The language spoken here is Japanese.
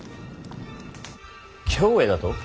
京へだと？